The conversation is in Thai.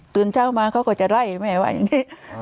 เช้ามาเขาก็จะไล่แม่ว่าอย่างนี้